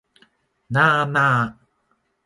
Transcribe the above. なあなあ